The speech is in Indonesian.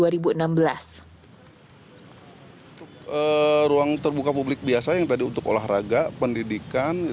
untuk ruang terbuka publik biasa yang tadi untuk olahraga pendidikan